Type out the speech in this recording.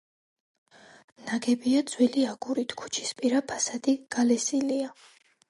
ნაგებია ძველი აგურით, ქუჩისპირა ფასადი გალესილია.